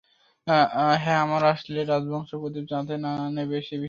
হ্যাঁ, আমরা আসলে রাজবংশের প্রদীপ যাতে না নেভে, সে বিষয়ে খুব চিন্তিত।